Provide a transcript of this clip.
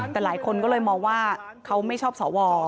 แต่หลายคนก็เลยมองว่าเขาไม่ชอบสว